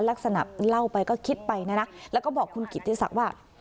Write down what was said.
ลักษณะเล่าไปก็คิดไปนะนะแล้วก็บอกคุณกิติศักดิ์ว่า